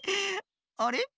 あれ？